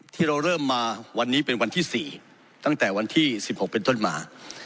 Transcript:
ที่เราเริ่มมาวันนี้เป็นวันที่๔ตั้งแต่วันที่๑๖เป็นต้นมา